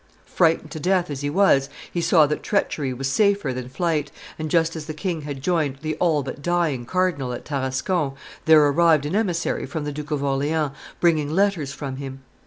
Frightened to death as he was, he saw that treachery was safer than flight, and, just as the king had joined the all but dying cardinal at Tarascon, there arrived an emissary from the Duke of Orleans bringing letters from him.